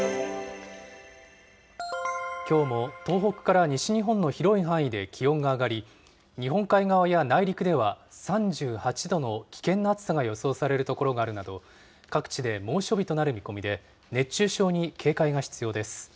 きょうも東北から西日本の広い範囲で気温が上がり、日本海側や内陸では３８度の危険な暑さが予想される所があるなど、各地で猛暑日となる見込みで、熱中症に警戒が必要です。